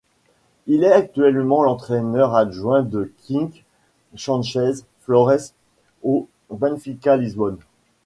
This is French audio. Il est actuellement l'entraîneur adjoint de Quique Sánchez Flores, au Benfica Lisbonne.